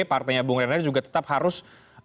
partainya bung renar juga tetap harus